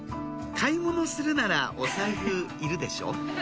買い物するならお財布いるでしょ？